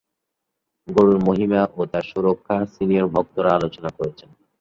গরুর মহিমা এবং তার সুরক্ষা সিনিয়র ভক্তরা আলোচনা করেছেন।